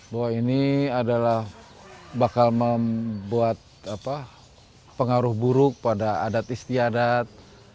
bahwa ini adalah bakal membuat pengaruh buruk pada adat istiadat